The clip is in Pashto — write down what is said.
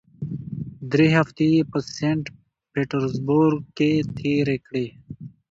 درې هفتې یې په سینټ پیټرزبورګ کې تېرې کړې.